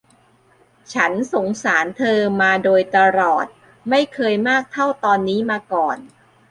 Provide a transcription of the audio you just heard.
ฉันสงสารเธอมาโดยตลอด ไม่เคยมากเท่าตอนนี้มาก่อน